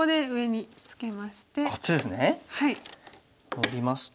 ノビますと。